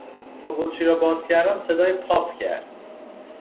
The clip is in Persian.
تا بطری را باز کردم صدای پاپ کرد.